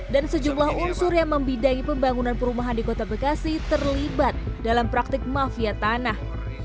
dan sejumlah unsur yang membidangi pembangunan perumahan di kota bekasi terlibat dalam praktik mafia tanah